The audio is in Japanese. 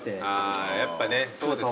あやっぱねそうですよね。